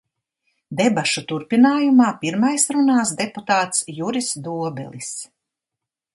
Debašu turpinājumā pirmais runās deputāts Juris Dobelis.